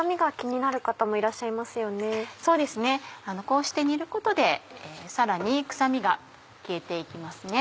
こうして煮ることでさらに臭みが消えて行きますね。